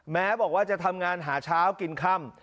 แม้บอกว่าจะทำงานหาเช้ากินค่ำ